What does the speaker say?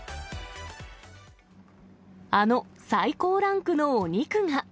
あの最高ランクのお肉が。